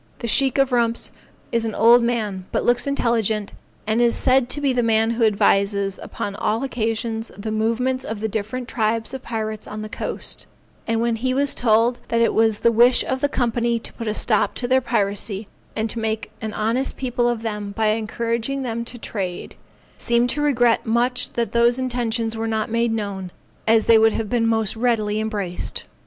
The Sheikh of Rumps is an old man, but looks intelligent, and is said to be the man who advises upon all occasions the movements of the different tribes of pirates on the coast, and when he was told that it was the wish of the Company to put a stop to their piracy, and make an honest people of them by encouraging them to trade, seemed to regret much that those intentions were not made known, as they would have been most readily embraced.